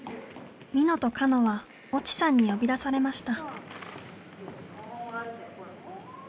みのとかのは越智さんに呼び出されました。